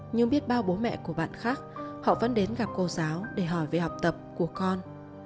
nhưng biết bao bố mẹ của bạn khác họ vẫn đến gặp cô giáo để hỏi về học tập của con